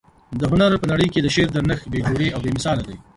د هنر په نړۍ کي د شعر درنښت بې جوړې او بې مثاله دى.